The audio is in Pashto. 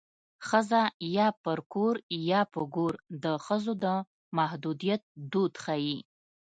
ښځه یا پر کور یا په ګور د ښځو د محدودیت دود ښيي